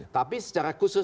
tapi secara khusus